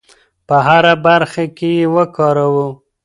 په هره برخه کې یې وکاروو.